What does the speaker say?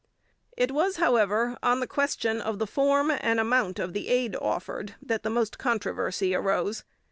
It was, however, on the question of the form and amount of the aid offered that most controversy arose.